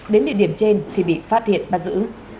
đến địa điểm trên thì bị phát hiện bắt giữ